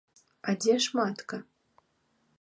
А дзе ж матка?